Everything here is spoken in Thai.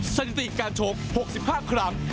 สถิติการชก๖๕ครั้ง